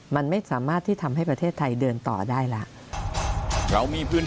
มันไม่สามารถที่ทำให้ประเทศไทยเดินต่อได้แล้ว